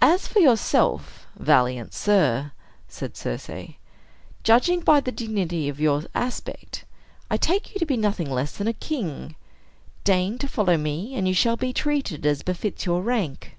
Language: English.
"As for yourself, valiant sir," said Circe, "judging by the dignity of your aspect, I take you to be nothing less than a king. Deign to follow me, and you shall be treated as befits your rank."